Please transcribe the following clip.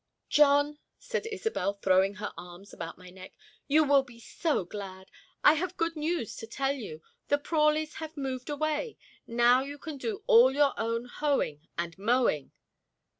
"John," said Isobel, throwing her arms about my neck, "you will be so glad! I have good news to tell you! The Prawleys have moved away! Now you can do all your own hoeing and mowing."